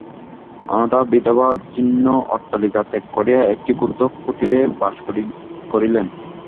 অনাথা বিধবা জীর্ণ অট্টালিকা ত্যাগ করিয়া একটি ক্ষুদ্র কুটিরে বাস করিলেন।